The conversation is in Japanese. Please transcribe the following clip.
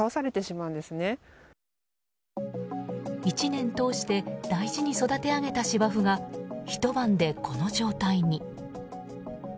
１年通して大事に育て上げた芝生がひと晩でこの状態に。